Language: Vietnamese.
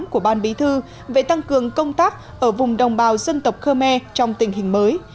của ban bí thư về tăng cường công tác ở vùng đồng bào dân tộc khơ me trong tình hình mới